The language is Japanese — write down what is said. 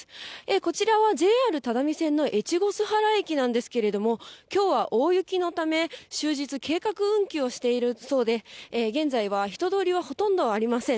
こちらはＪＲ只見線の越後須原駅なんですけれども、きょうは大雪のため、終日、計画運休をしているそうで、現在は人通りはほとんどありません。